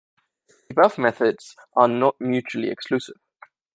The above methods are not mutually exclusive.